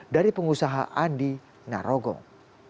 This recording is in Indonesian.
dari pengusaha andi narogong